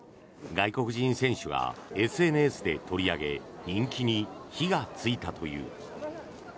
外国人選手がＳＮＳで取り上げ人気に火がついたという。